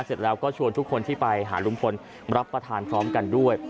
เสร็จแล้วก็ชวนทุกคนที่ไปหาลุงพลรับประทานพร้อมกันด้วย